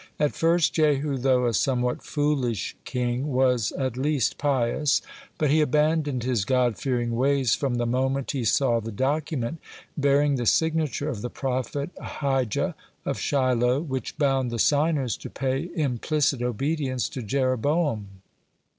(2) At first Jehu, though a somewhat foolish (3) king, was at least pious, but he abandoned his God fearing ways from the moment he saw the document bearing the signature of the prophet Ahijah of Shilo, which bound the signers to pay implicit obedience to Jeroboam.